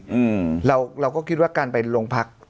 อืมเราเราก็คิดว่าการไปโรงพัก